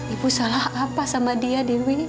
ibu salah apa sama dia dewi